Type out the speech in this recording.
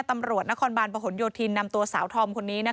ตำรวจนครบาลประหลโยธินนำตัวสาวธอมคนนี้